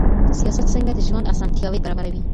سياست څنګه د ژوند اسانتياوې برابروي؟